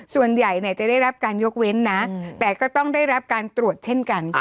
ส่วนใหญ่จะได้รับการยกเว้นนะแต่ก็ต้องได้รับการตรวจเช่นกัน